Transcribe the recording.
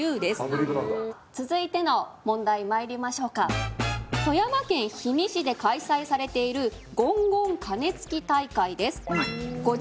アドリブなんだ続いての問題にまいりましょうか富山県氷見市で開催されているゴンゴン鐘つき大会です